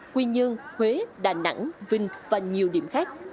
quy nhơn huế đà nẵng vinh và nhiều điểm khác